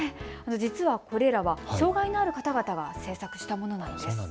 実はこれらは障害のある方々が制作したものなんです。